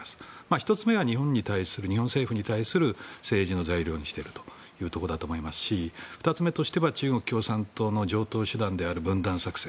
１つ目は日本政府に対する政治の材料にしているというところだと思いますし２つ目としては中国共産党の常とう手段である分断作戦。